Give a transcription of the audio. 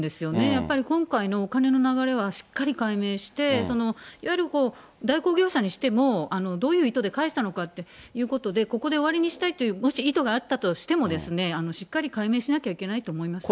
やっぱり今回のお金の流れは、しっかり解明して、そのいわゆるこう、代行業者にしても、どういう意図で返したのかっていうことで、ここで終わりにしたいという、もし意図があったとしても、しっかり解明しなきゃいけないと思います。